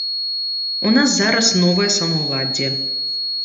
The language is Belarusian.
У нас зараз новае самаўладдзе.